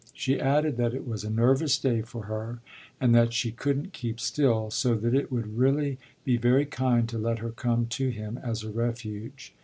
She added that it was a nervous day for her and that she couldn't keep still, so that it would really be very kind to let her come to him as a refuge.